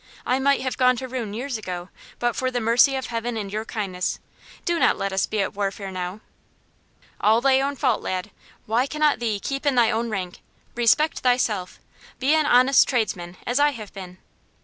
"I might have gone to ruin years ago, but for the mercy of Heaven and your kindness. Do not let us be at warfare now." "All thy own fault, lad. Why cannot thee keep in thy own rank? Respect thyself. Be an honest tradesman, as I have been."